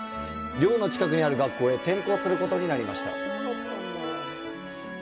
寮の近くにある学校へ転校することになりました。